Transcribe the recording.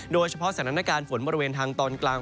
โดยเฉพาะสถานการณ์ฝนบริเวณทางตอนกลาง